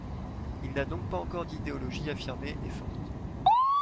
Il n'a donc pas encore d'idéologie affirmée et forte.